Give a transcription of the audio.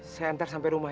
saya ntar sampai rumah ya